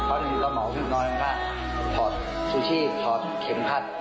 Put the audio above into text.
เพราะหนึ่งสมองขึ้นนอนแล้วก็ถอดซูชิถอดเข็มพัด